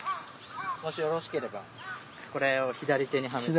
もしよろしければこれを左手にはめて。